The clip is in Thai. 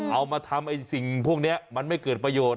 เอามาทำไอ้สิ่งพวกนี้มันไม่เกิดประโยชน์